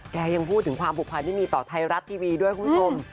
ยังพูดถึงความผูกพันที่มีต่อไทยรัฐทีวีด้วยคุณผู้ชม